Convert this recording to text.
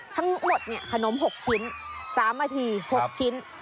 ทั้งหมดขนม๖ชิ้น๓นาที๖ชิ้น